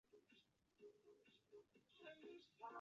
这些概念在不同的文化领域都能够被了解。